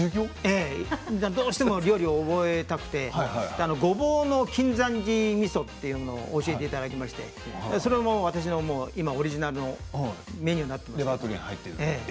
どうしても料理を覚えたくてごぼうの金山寺みそというのを教えてもらいたくてオリジナルのメニューになっているんですけど。